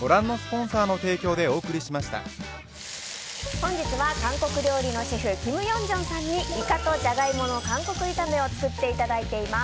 本日は韓国料理のシェフキム・ヨンジョンさんにイカとジャガイモの韓国炒めを作っていただいています。